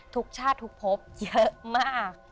ทุกชาติทุกพบเยอะมาก